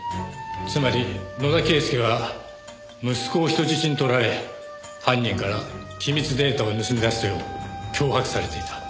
つまり野田啓介は息子を人質に取られ犯人から機密データを盗み出すよう脅迫されていた。